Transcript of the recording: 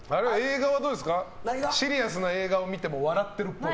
シリアスな映画を見ても笑ってるっぽい。